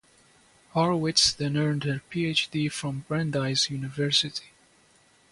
Horowitz then earned her PhD from Brandeis University.